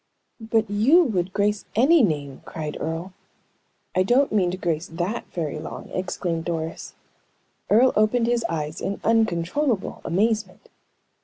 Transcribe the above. "But you would grace any name!" cried Earle. "I don't mean to grace that very long!" exclaimed Doris. Earle opened his eyes in uncontrollable amazement.